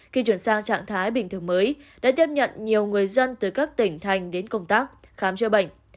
khi chuyển sang trạng thái bình thường mới đã tiếp nhận nhiều người dân từ các tỉnh thành đến công tác khám chữa bệnh